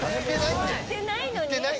行ってないのに。